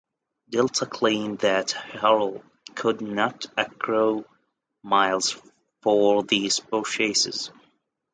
Delta claimed that Harrell could not accrue miles for these purchases.